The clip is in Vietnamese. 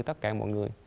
tất cả mọi người